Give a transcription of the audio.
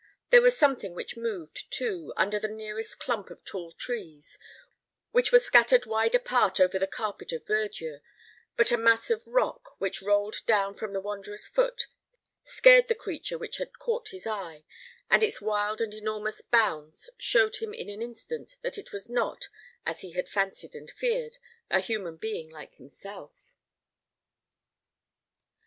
There was something which moved, too, under the nearest clump of tall trees, which were scattered wide apart over the carpet of verdure; but a mass of rock, which rolled down from the wanderer's foot, scared the creature which had caught his eye, and its wild and enormous bounds showed him in an instant that it was not, as he had fancied and feared, a human being like himself.